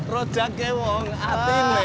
rojak kewong ati ne